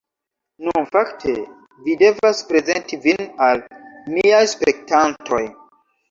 Nu, fakte, vi devas prezenti vin al miaj spektantoj